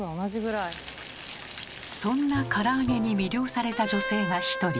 そんなから揚げに魅了された女性が一人。